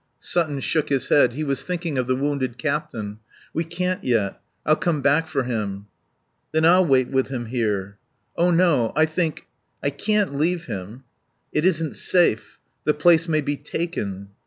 Sutton shook his head. He was thinking of the wounded captain. "We can't yet. I'll come back for him." "Then I'll wait with him here." "Oh no I think " "I can't leave him." "It isn't safe. The place may be taken."